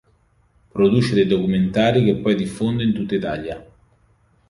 Produce dei documentari che poi diffonde in tutta Italia.